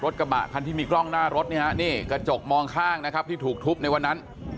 กระบะคันที่มีกล้องหน้ารถเนี่ยฮะนี่กระจกมองข้างนะครับที่ถูกทุบในวันนั้น